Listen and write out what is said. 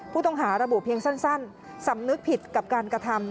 ผู้ต้องหาระบุเพียงสั้นสำนึกผิดกับการกระทำ